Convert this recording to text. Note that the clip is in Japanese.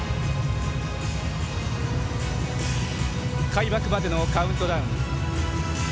開幕までのカウントダウン。